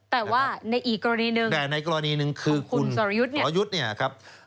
แต่ว่าในอีกกรณีหนึ่งของคุณสอรยุทธ